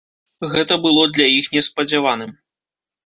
Гэта было для іх неспадзяваным.